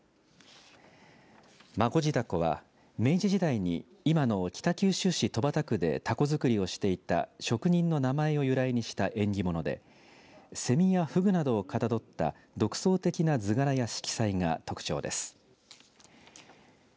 孫次凧は明治時代に今の北九州市戸畑区でたこ作りをしていた職人の名前を由来にした縁起物でせみやふぐなどをかたどった独創的な図柄や色彩が特徴です。